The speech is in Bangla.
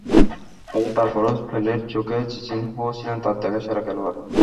তবে তার পরও পেলের চোখে জিজিনহো ছিলেন তাঁর দেখা সেরা খেলোয়াড়।